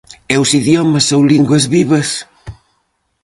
E os idiomas ou linguas vivas?